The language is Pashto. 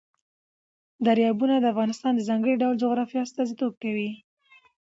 دریابونه د افغانستان د ځانګړي ډول جغرافیه استازیتوب کوي.